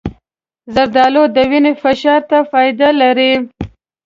زردالو د وینې فشار ته فایده لري.